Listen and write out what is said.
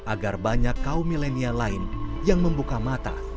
agar banyak kaum milenial lain yang membuka mata